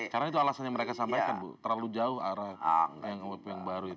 karena itu alasan yang mereka sampaikan terlalu jauh arah yang baru itu